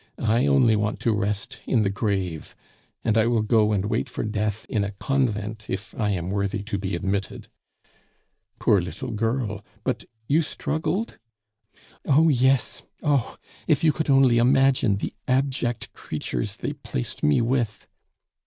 I only want to rest in the grave, and I will go and wait for death in a convent if I am worthy to be admitted " "Poor little girl! But you struggled?" "Oh yes! Oh! if you could only imagine the abject creatures they placed me with